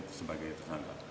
itu sebagai tersangka